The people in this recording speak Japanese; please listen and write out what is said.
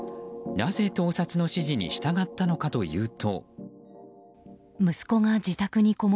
なぜ盗撮の指示に従ったのかというと。